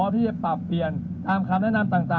และเราพร้อมที่จะปรับเปลี่ยนตามคำแนะนำต่างนะครับ